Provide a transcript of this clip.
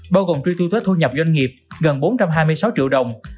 bao gồm truy thu thuế thu nhập doanh nghiệp gần bốn trăm hai mươi sáu triệu đồng